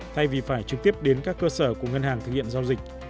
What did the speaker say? thay vì phải trực tiếp đến các cơ sở của ngân hàng thực hiện giao dịch